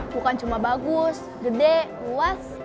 bukan cuma bagus gede luas